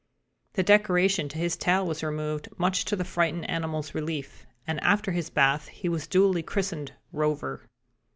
The decoration to his tail was removed, much to the frightened animal's relief, and after his bath he was duly christened Rover.